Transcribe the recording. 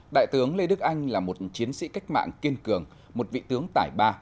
đại tướng lê đức anh là một chiến sĩ cách mạng kiên cường một vị tướng tải ba